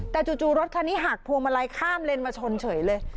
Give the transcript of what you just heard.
แต่จู่รถคันนี้หักพวงมาลัยข้ามเลนมาชนเฉยเลย